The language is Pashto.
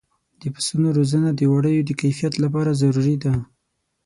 د پسونو روزنه د وړیو د کیفیت لپاره ضروري ده.